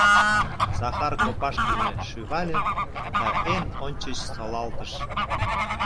— Захар копашкыже шӱвале да эн ончыч солалтыш.